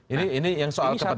ini yang soal kepentingan